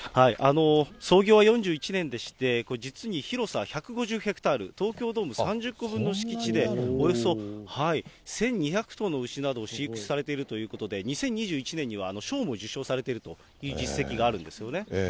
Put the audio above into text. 創業は４１年でして、実に広さ１５０ヘクタール、東京ドーム３０個分の敷地で、およそ１２００頭の牛などを飼育されているということで、２０２１年には賞も受賞されているという実績があるんですよね。